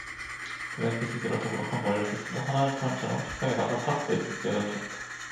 그는 빗을 들어 더부룩한 머리를 빗은 후 화나는 사람처럼 책상에다가 탁 내던지었다.